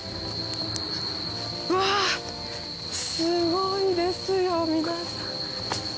うわっすごいですよ皆さん。